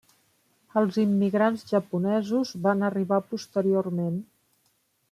Els immigrants japonesos van arribar posteriorment.